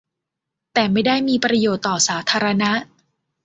แต่ไม่ได้มีประโยชน์ต่อสาธารณะ